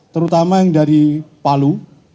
terutama yang dari palu